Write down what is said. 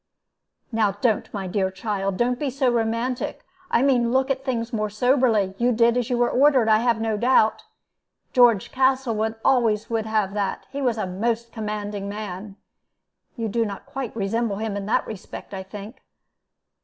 "Now don't, my dear child, don't be so romantic I mean, look at things more soberly. You did as you were ordered, I have no doubt; George Castlewood always would have that. He was a most commanding man. You do not quite resemble him in that respect, I think."